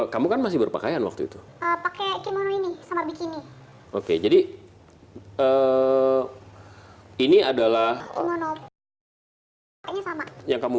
kamu kan masih berpakaian waktu itu pakai kimono ini sama bikini oke jadi eh ini adalah yang kamu